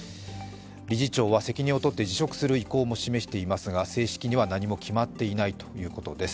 理事長は責任を取って辞職する意向を示していますが、正式には何も決まっていないということです。